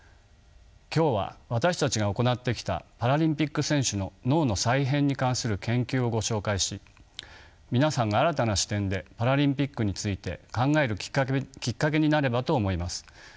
今日は私たちが行ってきたパラリンピック選手の「脳の再編」に関する研究をご紹介し皆さんが新たな視点でパラリンピックについて考えるきっかけになればと思います。